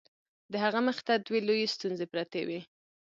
د هغه مخې ته دوې لويې ستونزې پرتې وې.